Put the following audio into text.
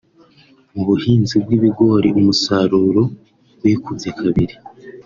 Mu buhinzi bw’ibigori umusaruro wikubye kabiri